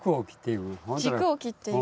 軸を切っていく。